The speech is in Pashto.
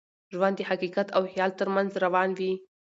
ژوند د حقیقت او خیال تر منځ روان وي.